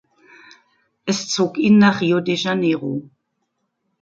Es zog ihn nach Rio de Janeiro.